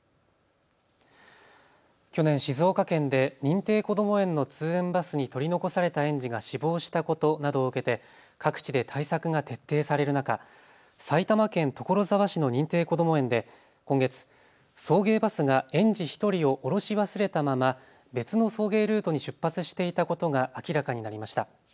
去年、静岡県で認定こども園の通園バスに取り残された園児が死亡したことなどを受けて各地で対策が徹底される中、埼玉県所沢市の認定こども園で今月、送迎バスが園児１人を降ろし忘れたまま別の送迎ルートに出発していたことが明らかになりました。